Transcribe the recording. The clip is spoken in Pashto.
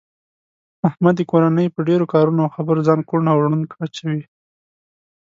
احمد د کورنۍ په ډېرو کارونو او خبرو ځان کوڼ او ړوند اچوي.